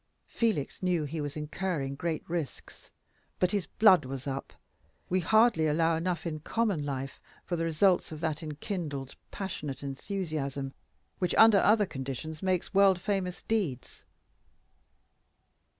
Felix knew he was incurring great risks; but "his blood was up"; we hardly allow enough in common life for the results of that enkindled passionate enthusiasm which, under other conditions, makes world famous deeds.